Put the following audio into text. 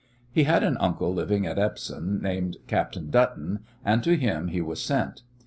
He had an uncle living at Epsom, named Captain Dutton, and to him he was sent.